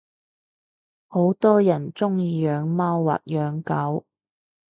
好多人鐘意養貓或養狗